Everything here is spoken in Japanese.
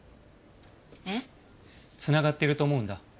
えっ？繋がってると思うんだ。